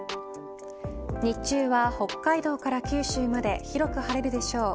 日中は北海道から九州まで広く晴れるでしょう。